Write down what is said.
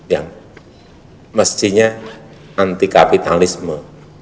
yang mestinya anti kapitalisme